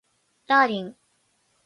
ダーリン